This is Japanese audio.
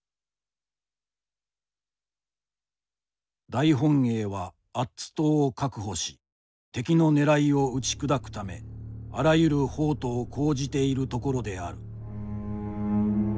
「大本営はアッツ島を確保し敵の狙いを打ち砕くためあらゆる方途を講じているところである。